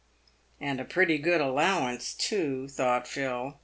" And a pretty good allowance, too," thought Phil.